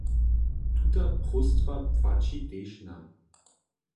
Tuta próstwa płaći tež nam.